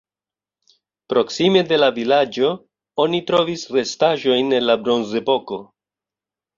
Proksime de la vilaĝo oni trovis restaĵojn el la bronzepoko.